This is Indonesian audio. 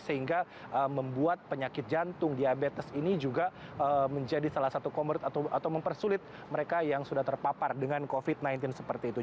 sehingga membuat penyakit jantung diabetes ini juga menjadi salah satu komorbid atau mempersulit mereka yang sudah terpapar dengan covid sembilan belas seperti itu